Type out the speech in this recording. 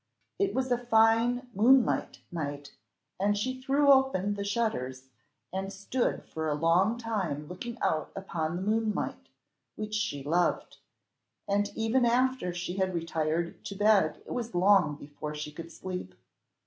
It was a fine moonlight night, and she threw open the shutters, and stood for a long time looking out upon the moonlight, which she loved; and even after she had retired to bed it was long before she could sleep.